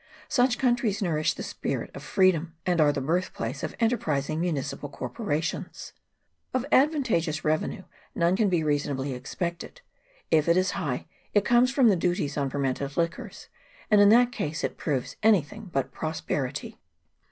Such countries nourish the spirit of freedom, and are the birthplace of enterprising municipal corporations. Of advantageous revenue none can be reasonably expected : if it is high, it comes from the duties on fermented liquors, and in that case it proves any thing but prosperity.